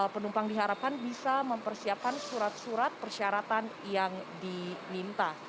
penumpang diharapkan bisa mempersiapkan surat surat persyaratan yang diminta